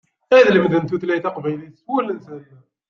Ad lemden tutlayt taqbaylit s wul-nsen.